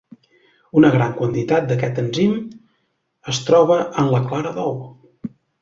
Una gran quantitat d'aquest enzim es troba en la clara d'ou.